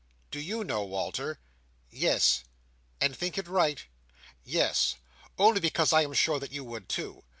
"Do you know, Walter?" "Yes." "And think it right?" "Yes. Only because I am sure that you would too.